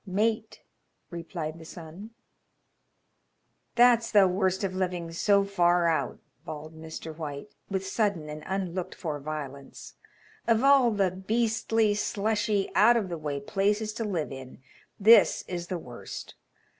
"Mate," replied the son. "That's the worst of living so far out," bawled Mr. White, with sudden and unlooked for violence; "of all the beastly, slushy, out of the way places to live in, this is the worst.